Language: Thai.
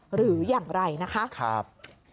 หรืออย่างไรนะคะ